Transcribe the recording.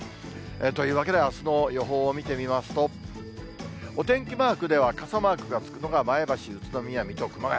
というわけで、あすの予報を見てみますと、お天気マークでは傘マークがつくのが前橋、宇都宮、水戸、熊谷。